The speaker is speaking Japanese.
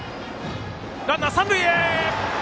ランナーは三塁へ。